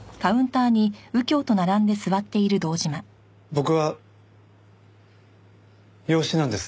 僕は養子なんです。